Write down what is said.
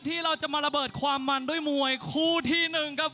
ที่เราจะมาระเบิดความมันด้วยมวยคู่ที่หนึ่งครับ